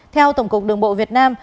theo tổng cục đường bộ việt nam